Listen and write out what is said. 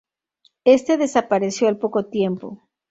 Este desapareció al poco tiempo.